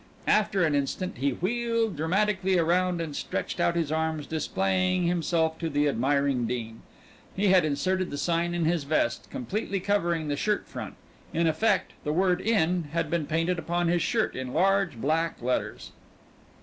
After an instant he wheeled dramatically around, and stretching out his arms displayed himself to the admiring Dean. He had inserted the sign in his vest, completely covering his shirt front. In effect, the word "In" had been painted upon his shirt in large black letters.